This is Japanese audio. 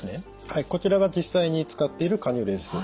はいこちらが実際に使っているカニューレです。